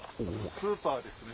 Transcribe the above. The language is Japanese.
スーパーですね。